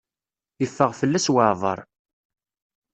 Iffeɣ fell-as waɛbaṛ.